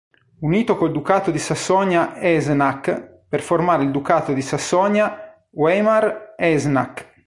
Unito col Ducato di Sassonia-Eisenach per formare il Ducato di Sassonia-Weimar-Eisenach